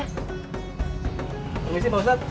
kamu bisa pak ustadz